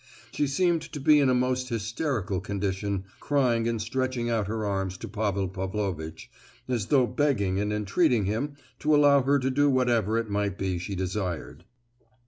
She seemed to be in a most hysterical condition, crying and stretching out her arms to Pavel Pavlovitch, as though begging and entreating him to allow her to do whatever it might be she desired.